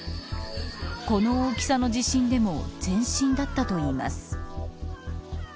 この大きさの地震でも前震だったといいます。